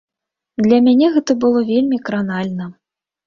Для мяне гэта было вельмі кранальна.